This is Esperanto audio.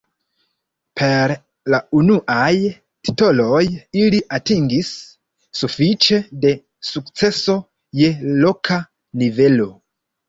Per la unuaj titoloj ili atingis sufiĉe da sukceso je loka nivelo.